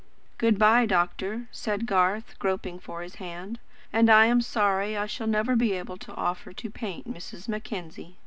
"Good bye, doctor," said Garth, groping for his hand; "and I am sorry I shall never be able to offer to paint Mrs. Mackenzie!"